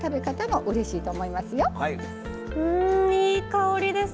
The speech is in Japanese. うんいい香りです。